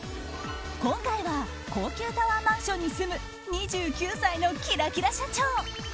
今回は高級タワーマンションに住む２９歳のキラキラ社長。